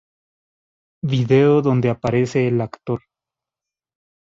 Video donde aparece el actor